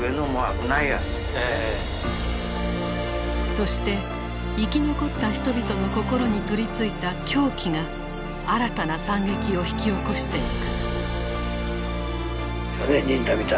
そして生き残った人々の心に取りついた狂気が新たな惨劇を引き起こしていく。